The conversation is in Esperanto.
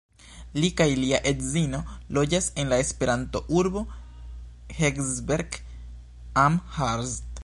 Li kaj lia edzino loĝas en la Esperanto-urbo Herzberg am Harz.